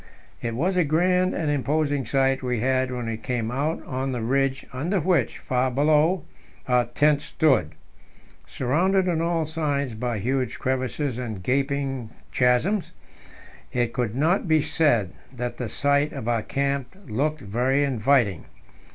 It was a grand and imposing sight we had when we came out on the ridge under which far below our tent stood. Surrounded on all sides by huge crevasses and gaping chasms, it could not be said that the site of our camp looked very inviting.